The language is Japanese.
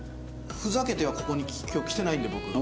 ふざけてはここに今日来てないんで僕。